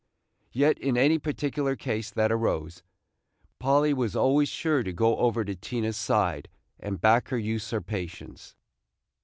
Yet, in any particular case that arose, Polly was always sure to go over to Tina's side and back her usurpations.